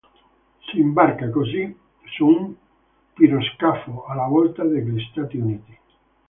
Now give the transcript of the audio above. Si imbarca, così, su un piroscafo alla volta degli Stati Uniti.